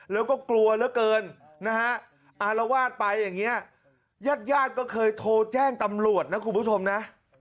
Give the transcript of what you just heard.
แล้วก็กลัวเหลือเกินนะฮะอารวาสไปอย่างนี้ญาติญาติก็เคยโทรแจ้งตำรวจนะคุณผู้ชมนะ